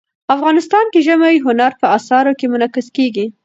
افغانستان کې ژمی د هنر په اثار کې منعکس کېږي.